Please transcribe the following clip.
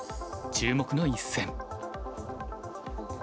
注目の一戦。